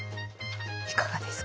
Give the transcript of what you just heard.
いかがですか？